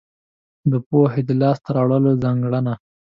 د پوهې د لاس ته راوړلو ځانګړنه.